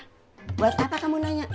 kok nggak usah buat apa kamu nanya